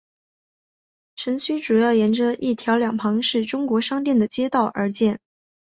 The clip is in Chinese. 城区主要沿着一条两旁是中国商店的街道而建。